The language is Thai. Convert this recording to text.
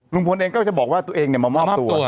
ลุงพลเองก็จะบอกว่าตัวเองมามอบตัว